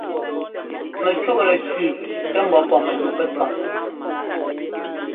Mɛcúꞌtɛ tsʉʉ kɛ́ ḿbɔ́ pɔ́ mɛnu pɛtsɔ́ŋ.